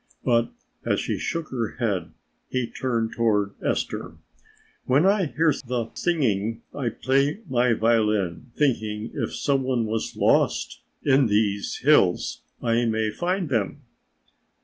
But as she shook her head he turned toward Esther. "When I hear the singing I play my violin, thinking if some one was lost in these hills I may find them."